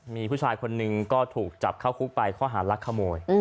มีผู้ชายคนหนึ่งก็ถูกจับเข้าคุกไปข้อหารักขโมย